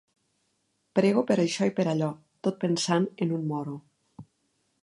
Prego per això i per allò, tot pensant en un moro.